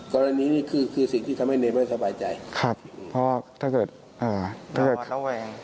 กรณีนี้คือคือสิ่งที่ทำให้เนธไม่สบายใจครับเพราะว่าถ้าเกิดอ่าถ้าเกิดระวัง